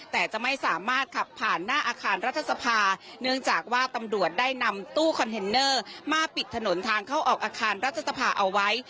แต่จะไม่สามารถขับผ่านหน้าอาคารรัฐสภาเนื่องจากว่าตำรวจได้นำตู้คอนเทนเนอร์มาปิดถนนทางเข้าออกอาคารรัฐสภาเอาไว้